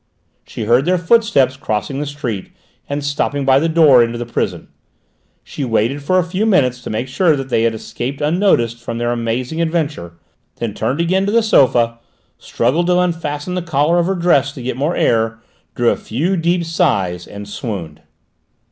She heard their footsteps crossing the street and stopping by the door into the prison. She waited for a few minutes to make sure that they had escaped unnoticed from their amazing adventure, then turned again to the sofa, struggled to unfasten the collar of her dress to get more air, drew a few deep sighs, and swooned.